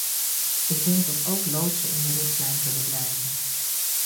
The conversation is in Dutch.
Ik denk dat ook loodsen in de richtlijn kunnen blijven.